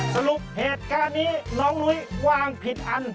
สรุปเหตุการณ์นี้น้องนุ้ยวางผิดอัน